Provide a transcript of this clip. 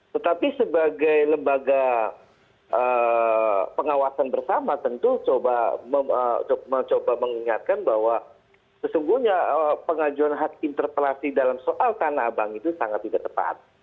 tetapi sebagai lembaga pengawasan bersama tentu coba mengingatkan bahwa sesungguhnya pengajuan hak interpelasi dalam soal tanah abang itu sangat tidak tepat